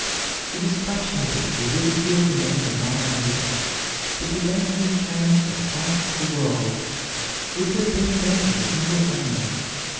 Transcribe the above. It is fashionable to ridicule the man of one idea, but the men who have changed the front of the world have been men of a single aim.